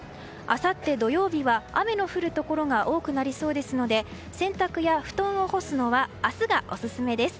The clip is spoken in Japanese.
あさって土曜日は、雨の降るところが多くなりそうですので洗濯や布団を干すのは明日がオススメです。